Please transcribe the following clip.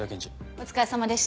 お疲れさまでした。